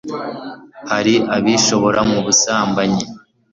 hari abishora mu busambanyi